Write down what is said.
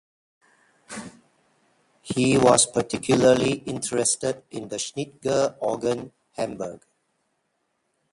He was particularly interested in the Schnitger organ (Hamburg).